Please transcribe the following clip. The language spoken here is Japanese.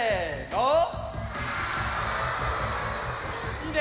いいね！